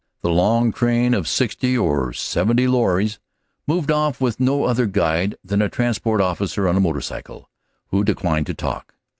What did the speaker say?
The long train of sixty or seventy lorries moved off with no other guide than a transport officer on a motor cycle who declined to talk.